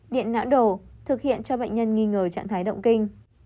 điện não đồ thực hiện cho bệnh nhân nghi ngờ trạng thái động kinh